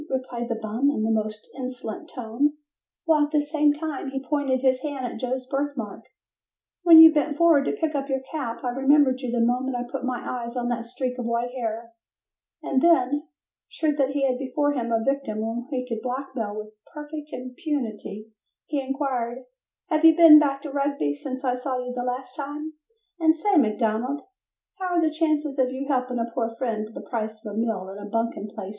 replied the bum in a most insolent tone while at the same time he pointed his hand at Joe's birthmark. "When you bent forward to pick up your cap I remembered you the moment I put my eyes on that streak of white hair," and then, sure that he had before him a victim whom he could blackmail with perfect impunity, he inquired, "Have you been back to Rugby since I saw you the last time, and say, McDonald, how are the chances for your helping a poor friend to the price of a meal and a bunking place for the night?"